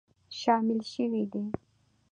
شامل شوي دي